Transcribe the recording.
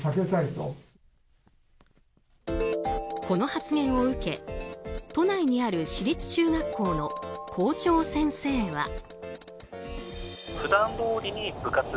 この発言を受け、都内にある私立中学校の校長先生は。